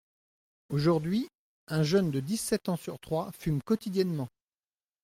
Aujourd’hui, un jeune de dix-sept ans sur trois fume quotidiennement.